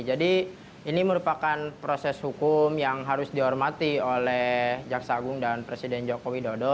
jadi ini merupakan proses hukum yang harus dihormati oleh jaksa agung dan presiden joko widodo